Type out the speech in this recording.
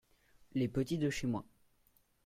Les petits de chez moi.